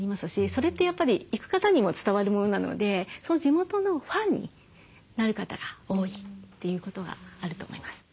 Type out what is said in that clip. それってやっぱり行く方にも伝わるものなのでその地元のファンになる方が多いということがあると思います。